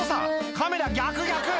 カメラ逆逆！